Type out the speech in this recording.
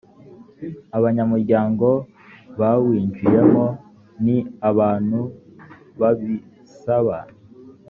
abanyamuryango bawinjiyemo ni abantu babisaba